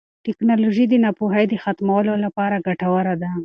ټیکنالوژي د ناپوهۍ د ختمولو لپاره ګټوره ده.